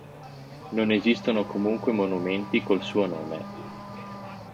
Non esistono comunque monumenti col suo nome.